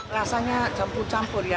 rasanya campur campur ya